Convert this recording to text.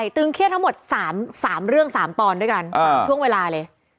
ตึงเครียดทั้งหมด๓เรื่อง๓ตอนด้วยกัน๓ช่วงเวลาเลย